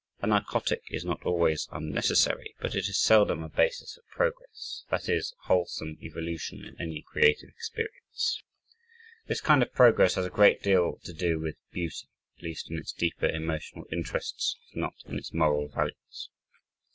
A narcotic is not always unnecessary, but it is seldom a basis of progress, that is, wholesome evolution in any creative experience. This kind of progress has a great deal to do with beauty at least in its deeper emotional interests, if not in its moral values.